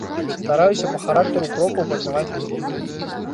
Стараюся па характару крокаў пазнаваць людзей.